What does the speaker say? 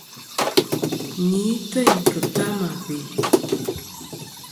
Ni têyn ki ta mà bè.